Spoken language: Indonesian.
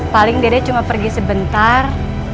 paling dede cuma pergi sebentar